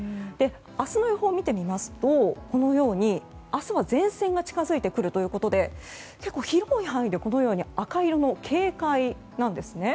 明日の予報を見てみますとこのように明日は前線が近づいてくるということで結構、広い範囲で赤色の警戒なんですね。